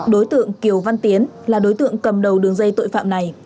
đối tượng kiều văn tiến là đối tượng cầm đầu đường dây tội phạm này